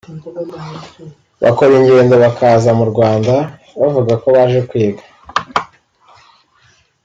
bakora ingendo bakaza mu Rwanda bavuga ko baje kwiga